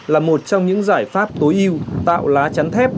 là một trong những giải pháp tối ưu tạo lá chắn thép